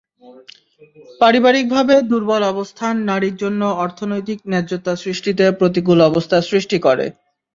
পারিবারিকভাবে দুর্বল অবস্থান নারীর জন্য অর্থনৈতিক ন্যায্যতা সৃষ্টিতে প্রতিকূল অবস্থার সৃষ্টি করে।